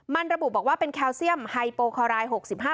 มันระบุบอกว่าเป็นแคลเซียมไฮโปคอราย๖๕